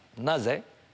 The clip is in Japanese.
なぜ？